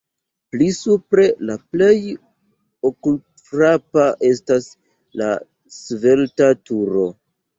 Pli supre la plej okulfrapa estas la svelta turo.